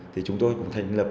thì chúng tôi cũng thành lập